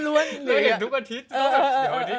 เราเห็นทุกอาทิตย์